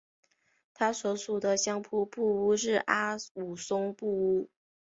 他所属的相扑部屋是阿武松部屋。